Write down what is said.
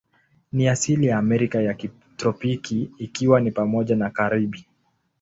Ni asili ya Amerika ya kitropiki, ikiwa ni pamoja na Karibi.